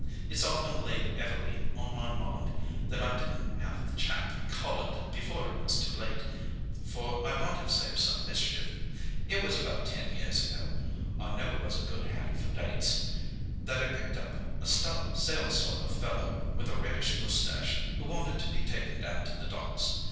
It's often laid heavy on my mind that I didn't have that chap collared before it was too late, for I might have saved some mischief. It was about ten years ago I never was a good hand for dates that I picked up a stout built sailor sort of fellow, with a reddish moustache, who wanted to be taken down to the docks.